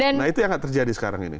nah itu yang nggak terjadi sekarang ini